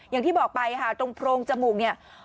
อย่างที่บอกไปค่ะตรงโพรงจมูกเนี่ย